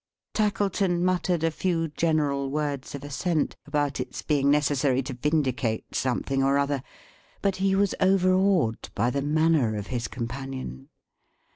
Tackleton muttered a few general words of assent, about its being necessary to vindicate something or other; but he was overawed by the manner of his companion.